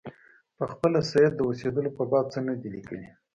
پخپله سید د اوسېدلو په باب څه نه دي لیکلي.